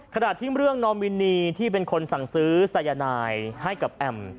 ขณะที่เรื่องนอมวินีที่เป็นคนสั่งซื้อสายนายให้กับแอม